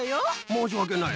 申し訳ない。